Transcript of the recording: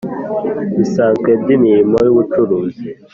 Bisanzwe by imirimo y ubucuruzi